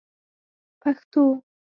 پښتو